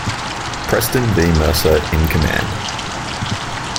Preston V. Mercer in command.